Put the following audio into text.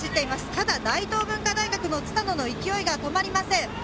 ただ大東文化大学の蔦野の勢いが止まりません。